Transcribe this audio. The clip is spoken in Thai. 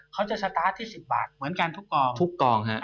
เขาจะสตาร์ทที่๑๐บาทเหมือนกันทุกกอง